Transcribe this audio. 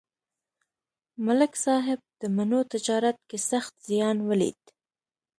ملک صاحب د مڼو تجارت کې سخت زیان ولید